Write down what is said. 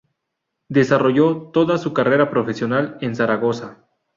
Desarrolló toda su carrera profesional en Zaragoza.